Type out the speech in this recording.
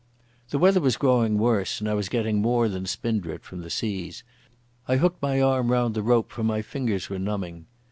The weather was growing worse, and I was getting more than spindrift from the seas. I hooked my arm round the rope, for my fingers were numbing.